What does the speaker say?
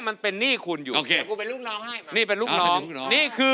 มีคนน้อยนะ